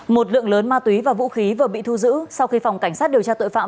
một lượng lớn ma túy và vũ khí vừa bị thu giữ sau khi phòng cảnh sát điều tra tội phạm